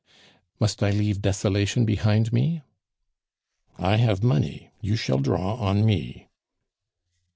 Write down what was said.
"Must I leave desolation behind me?" "I have money, you shall draw on me."